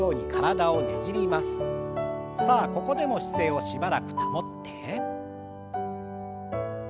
さあここでも姿勢をしばらく保って。